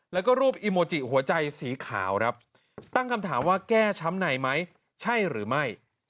แล้วก็รูปอีโมจิหัวใจสีขาวครับตั้งคำถามว่าแก้ช้ำในไหมใช่หรือไม่